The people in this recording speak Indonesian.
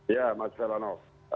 ya mas serhano